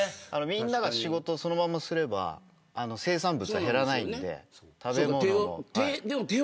みんなが仕事をそのまますれば生産物は減らないんで食べ物も。